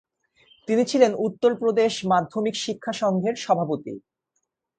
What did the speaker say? তিনি ছিলেন উত্তর প্রদেশ মাধ্যমিক শিক্ষা সংঘের সভাপতি।